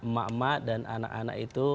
mak mak dan anak anak itu